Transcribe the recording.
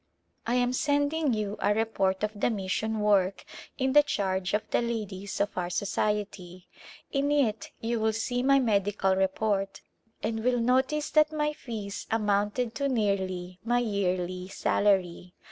I am sending you a report of the mission work in the charge of the ladies of our society ; in it you will see my medical report and will notice that my fees amounted to nearly my yearly salary.